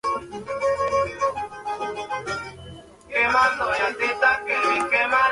Es aficionada a la lectura, caminar, escuchar música y montar en bicicleta.